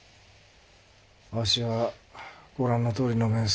ワシはご覧のとおりの面相。